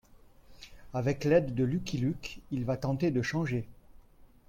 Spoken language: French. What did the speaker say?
Avec l'aide de Lucky Luke, il va tenter de changer.